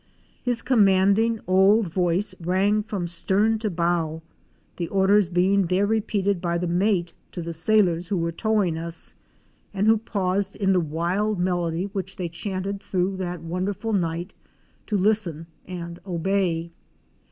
His commanding old voice rang from stern to bow, the orders being there repeated by the mate to the sailors who were towing us, and who paused in the A WOMAN'S EXPERIENCES IN VENEZUELA. gI wild melody which they chanted through that wonderful night, to listen and obey.